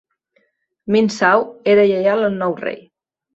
Min Saw era lleial al nou rei.